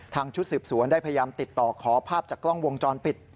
ชุดสืบสวนได้พยายามติดต่อขอภาพจากกล้องวงจรปิด